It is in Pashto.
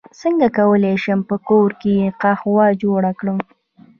څنګه کولی شم په کور کې قهوه جوړه کړم